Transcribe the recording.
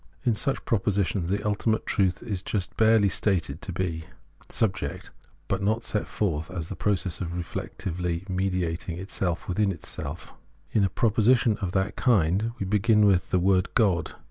In such propositions ultimate truth is just barely stated to be Subject, but not set forth as the process of reflectively mediating itself within itself. In a proposition of that kind we begin with the word God.